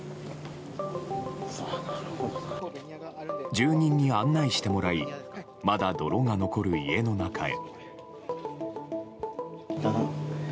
住人に案内してもらいまだ泥が残る家の中へ。